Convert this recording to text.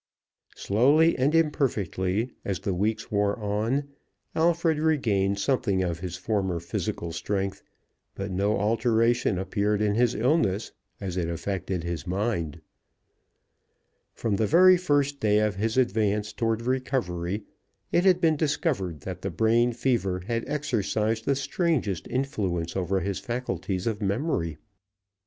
Slowly and imperfectly, as the weeks wore on, Alfred regained something of his former physical strength, but no alteration appeared in his illness as it affected his mind. From the very first day of his advance toward recovery, it had been discovered that the brain fever had exercised the strangest influence over his faculties of memory.